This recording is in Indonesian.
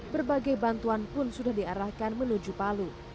berbagai bantuan pun sudah diarahkan menuju palu